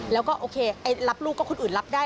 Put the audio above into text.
แล้วก็โอเครับลูกก็คนอื่นรับได้